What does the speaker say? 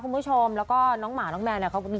คุณผู้ชมแล้วก็น้องหมาน้องแมวเนี่ย